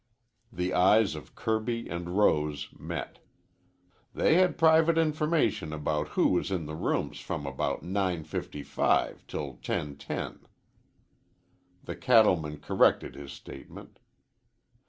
The eyes of Kirby and Rose met. They had private information about who was in the rooms from about 9.55 till 10.10. The cattleman corrected his statement.